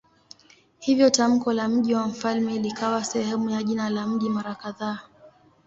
Hivyo tamko la "mji wa mfalme" likawa sehemu ya jina la mji mara kadhaa.